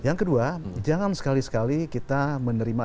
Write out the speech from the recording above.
yang kedua jangan sekali sekali kita menerima